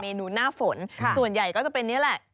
นูหน้าฝนส่วนใหญ่ก็จะเป็นนี่แหละ